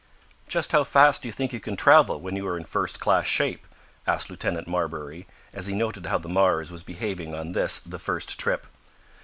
"Just how fast do you think you can travel when you are in first class shape?" asked Lieutenant Marbury, as he noted how the Mars was behaving on this, the first trip.